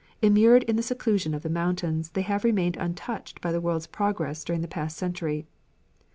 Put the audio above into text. Immured in the seclusion of the mountains they have remained untouched by the world's progress during the past century.